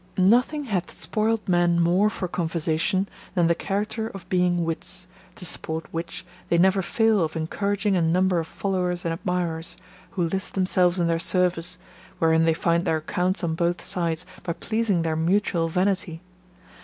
Nothing hath spoiled men more for conversation, than the character of being wits, to support which, they never fail of encouraging a number of followers and admirers, who list themselves in their service, wherein they find their accounts on both sides, by pleasing their mutual vanity.